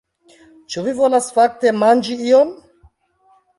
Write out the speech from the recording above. Ĉu vi volas fakte manĝi ion?